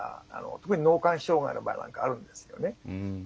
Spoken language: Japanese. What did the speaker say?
特に脳幹障害の場合はあるんですよね。